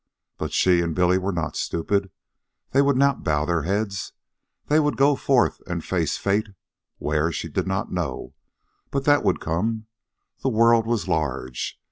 But she and Billy were not stupid. They would not bow their heads. They would go forth and face fate. Where, she did not know. But that would come. The world was large.